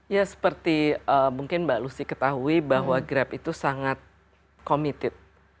ya seperti mungkin mbak lucy ketahui bahwa grab itu sangat committed